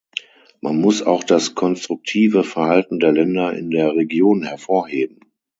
Man muss auch das konstruktive Verhalten der Länder in der Region hervorheben.